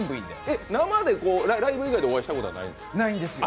ライブ以外で生でお会いしたことないんです。